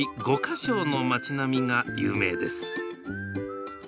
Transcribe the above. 五個荘の町並みが有名です